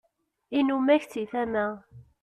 inumak si tama